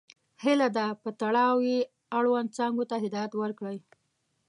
هیله ده په تړاو یې اړوند څانګو ته هدایت وکړئ.